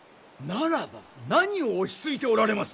ならば何を落ち着いておられます！